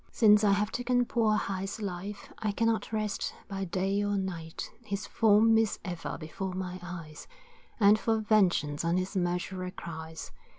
Since I have taken poor Hight's life, I cannot rest by day or night, His form is ever before my eyes, And for vengeance on his murderer cries.